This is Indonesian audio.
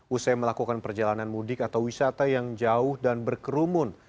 usai melakukan perjalanan mudik atau wisata yang jauh dan berkerumun